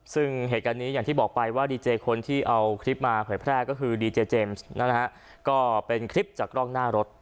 ซึ่งเหตุการณ์นี้อย่างที่บอกไปว่าดีเจคนที่เอาคลิปมาเผยแพร่ก็คือดีเจเจมส์นะฮะก็เป็นคลิปจากกล้องหน้ารถ